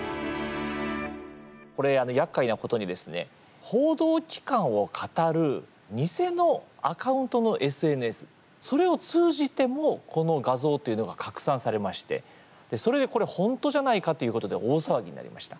これ、やっかいなことに報道機関をかたる偽のアカウントのＳＮＳそれを通じてもこの画像というのが拡散されまして、それでこれ本当じゃないかということで大騒ぎになりました。